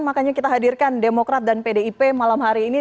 makanya kita hadirkan demokrat dan pdip malam hari ini